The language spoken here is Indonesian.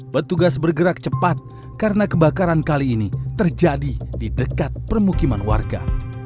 petugas bergerak cepat karena kebakaran kali ini terjadi di dekat permukiman warga